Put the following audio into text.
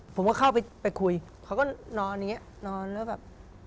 ผมก็เข้าไปไปคุยเขาก็นอนอย่างนี้นอนแล้วแบบ